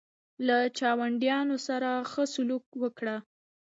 له چاونډیانو سره ښه سلوک وکړه.